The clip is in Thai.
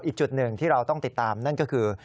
อีกจุดหนึ่งที่เราต้องติดตามนั่นก็คือ